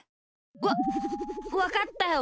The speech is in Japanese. わっわかったよ。